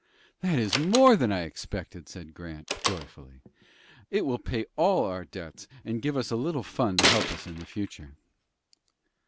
"That is more than I expected," said Grant, joyfully. "It will pay all our debts, and give us a little fund to help us in future."